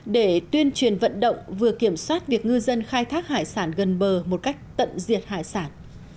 để tuyên truyền vận động vừa kiểm soát việc ngư dân khai thác hải sản gần bờ một cách tận diệt hải sản